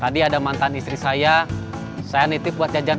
tadi ada mantan istri saya saya nitip buat jajan